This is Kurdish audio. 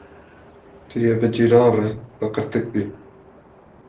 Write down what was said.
Tu yê bi cîran re bi qirtiq bî.